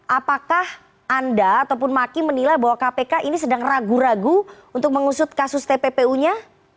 apakah anda ataupun maki menilai bahwa kpk ini sedang ragu ragu untuk mengusut kasus tppu nya